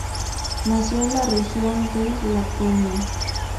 Nació en la región de Laconia.